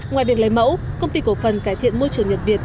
ngoài việc lấy mẫu công ty cổ phần cải thiện môi trường nhật việt